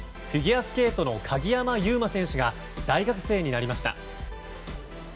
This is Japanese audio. フィギュアスケートの鍵山優真選手が大学生になりました。